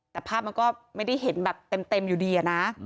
แต่ภาพมันก็ไม่ได้เห็นแบบเต็มอยู่ดีอะนะ